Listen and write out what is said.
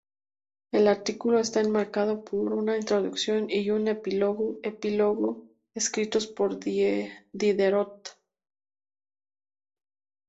El artículo está enmarcado por una introducción y un epílogo elogio escritos por Diderot.